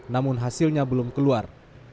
namun hasilnya belum keluar